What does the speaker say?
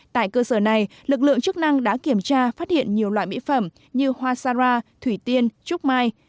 tại cơ sở này lực lượng chức năng đã kiểm tra phát hiện nhiều loại mỹ phẩm như hoa sara thủy tiên trúc mai